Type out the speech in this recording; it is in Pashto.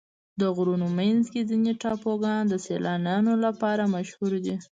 د غرونو منځ کې ځینې ټاپوګان د سیلانیانو لپاره مشهوره دي.